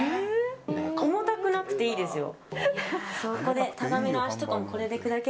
重たくなくていいですよ。